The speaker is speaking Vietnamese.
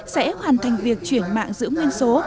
sẽ hoàn thành việc chuyển mạng giữ nguyên số